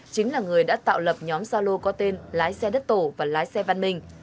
chính là người đã tạo lập nhóm gia lô có tên lái xe đất tổ và lái xe văn minh